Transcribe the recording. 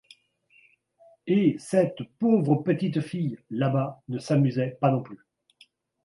Et cette pauvre petite fille, là bas, ne s’amusait pas non plus.